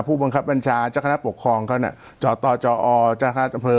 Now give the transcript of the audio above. ผู้บังคับบัญชาจักรคณะปกครองเจาะต่อเจาะออ